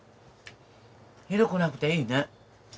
広くなくていいね。